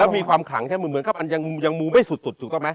แล้วมีความขังแท้เหมือนครับมันยังมูลไม่สุดถูกต้องไหม